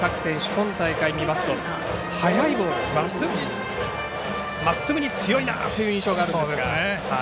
今大会、見ますと速いボールまっすぐに強いなという印象があるんですが。